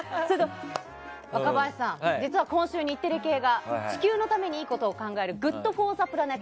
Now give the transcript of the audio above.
若林さん、実は今週、日テレ系が地球のためにいいこと考えるウィークＧｏｏｄＦｏｒｔｈｅＰｌａｎｅｔ